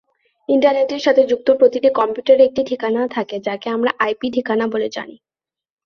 ইন্টারনেটের সাথে যুক্ত প্রতিটি কম্পিউটারের একটি ঠিকানা থাকে; যাকে আমরা আইপি ঠিকানা বলে জানি।